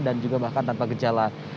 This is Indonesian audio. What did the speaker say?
dan juga berkembang ke rumah sakit lainnya